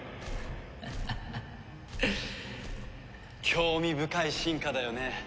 興味深い進化だよね。